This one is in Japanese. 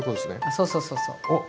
そうそうそうそう。